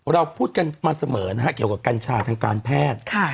เราพูดกันมาเสมอนะฮะเกี่ยวกับกัญชาทางการแพทย์